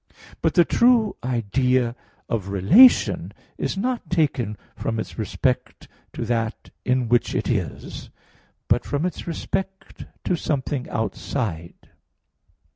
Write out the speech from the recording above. But the true idea of relation is not taken from its respect to that in which it is, but from its respect to something outside.